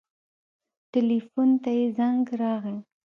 ټېلفون ته يې زنګ راغى.